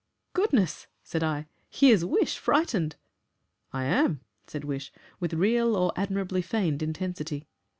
"Goodness!" said I, "here's Wish frightened!" "I am," said Wish, with real or admirably feigned intensity.